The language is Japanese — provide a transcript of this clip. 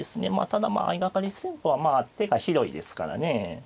ただまあ相掛かり戦法は手が広いですからね。